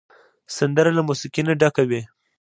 سندره له موسیقۍ نه ډکه وي